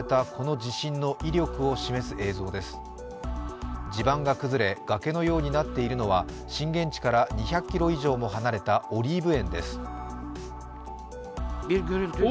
地盤が崩れ、がけのようになっているのは震源地から２００ｋｍ以上も離れたオリーブ園です。